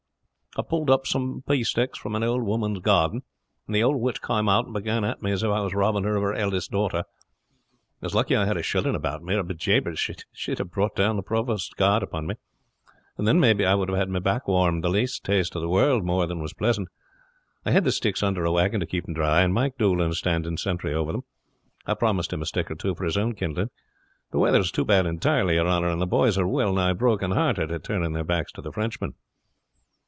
I have pulled up some pea sticks from an old woman's garden; and the ould witch came out and began at me as if I was robbing her of her eldest daughter. It was lucky I had a shilling about me, or be jabbers she would have brought down the provost's guard upon me, and then maybe I would have had my back warmed the least taste in the world more than was pleasant. I hid the sticks under a wagon to keep them dry, and Mike Doolan is standing sentry over them. I promised him a stick or two for his own kindling. The weather is too bad entirely, your honor, and the boys are well nigh broken hearted at turning their backs to the Frenchmen."